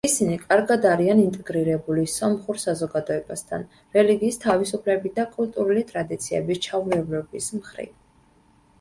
ისინი კარგად არიან ინტეგრირებული სომხურ საზოგადოებასთან, რელიგიის თავისუფლებით და კულტურული ტრადიციების ჩაურევლობის მხრივ.